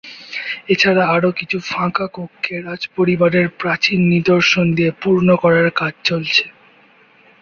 এছাড়া আরো কিছু ফাঁকা কক্ষে রাজপরিবারের প্রাচীন নিদর্শন দিয়ে পূর্ণ করার কাজ চলছে।